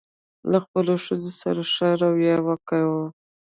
له خپلو ښځو سره ښه راویه وکوئ.